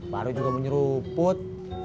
baru juga mau nyeruput